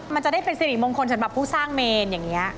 มันจะได้เป็นสิริมงคลสำหรับผู้สร้างเมนอย่างนี้